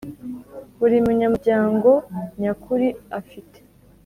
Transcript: buri munyamuryango nyakuri afite